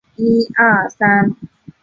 三角洲四号中型运载火箭。